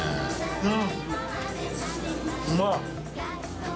うん。